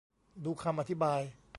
ดูคำอธิบาย